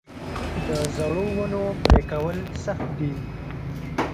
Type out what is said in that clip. د زړو ونو پرې کول سخت دي؟